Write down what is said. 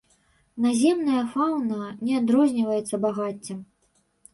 Наземная фаўна не адрозніваецца багаццем.